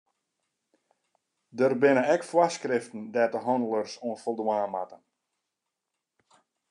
Der binne ek foarskriften dêr't hannelers oan foldwaan moatte.